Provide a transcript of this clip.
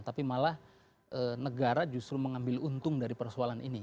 tapi malah negara justru mengambil untung dari persoalan ini